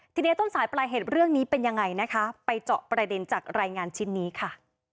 ทีนี้ต้นสายปลายเหตุเรื่องนี้เป็นยังไงนะคะไปเจาะประเด็นจากรายงานชิ้นนี้ค่ะ